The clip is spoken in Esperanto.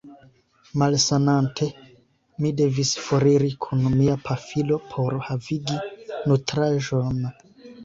Malsanante, mi devis foriri kun mia pafilo por havigi nutraĵon.